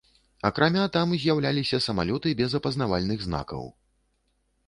Акрамя там з'яўляліся самалёты без апазнавальных знакаў.